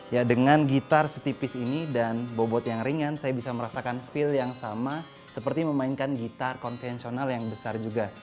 ya dengan gitar setipis ini dan bobot yang ringan saya bisa merasakan feel yang sama seperti memainkan gitar konvensional yang besar juga